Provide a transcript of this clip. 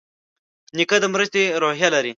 نیکه د مرستې روحیه لري.